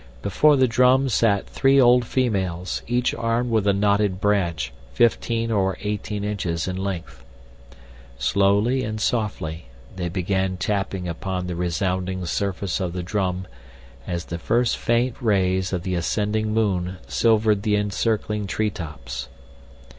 Before the drum sat three old females, each armed with a knotted branch fifteen or eighteen inches in length. Slowly and softly they began tapping upon the resounding surface of the drum as the first faint rays of the ascending moon silvered the encircling tree tops.